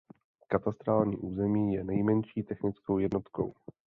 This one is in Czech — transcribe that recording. Katastrální území je nejmenší technickou jednotkou.